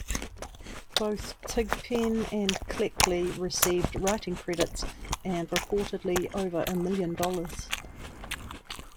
Both Thigpen and Cleckley received writing credits and reportedly over a million dollars.